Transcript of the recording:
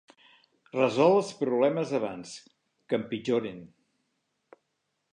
Resol els problemes abans que empitjorin.